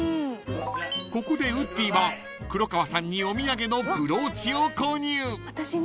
［ここでウッディは黒川さんにお土産のブローチを購入］